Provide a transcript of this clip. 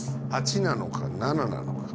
８なのか７なのか。